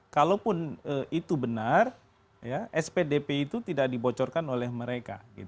kalaupun itu benar spdp itu tidak dibocorkan oleh mereka